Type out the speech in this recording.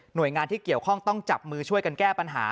โดยงานที่เกี่ยวข้องต้องจับมือช่วยกันแก้ปัญหา